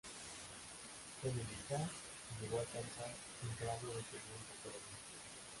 Fue militar y llegó a alcanzar el grado de teniente coronel.